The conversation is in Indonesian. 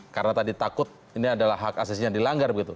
karena tadi takut ini adalah hak asasinya yang dilanggar begitu